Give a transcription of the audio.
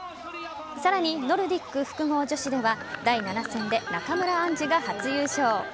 さらにノルディック複合女子では第７戦で中村安寿が初優勝。